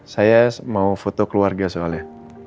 saya mau foto keluarga soalnya